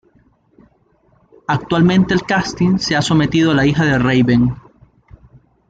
Actualmente el casting se ha sometido a la hija de Raven.